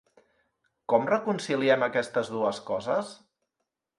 Com reconciliem aquestes dues coses?